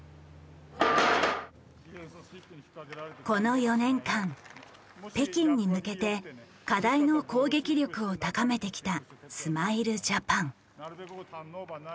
この４年間北京に向けて課題の攻撃力を高めてきたスマイルジャパン。